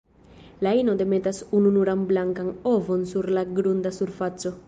La ino demetas ununuran blankan ovon sur la grunda surfaco.